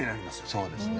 そうですね。